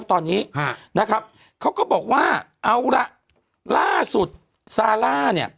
ตอนนี้นะครับเขาก็บอกว่าเอาละล่าสุดซาร่าเนี่ย